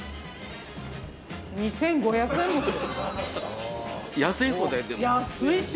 ２，５００円もする。